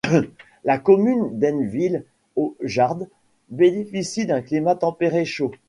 La commune de Einville-au-Jard bénéficie d'un climat tempéré chaud.